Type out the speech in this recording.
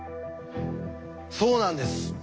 そうなんです。